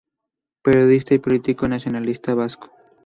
Periodista y político nacionalista vasco.